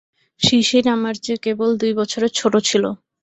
শিশির আমার চেয়ে কেবল দুই বছরের ছোটো ছিল।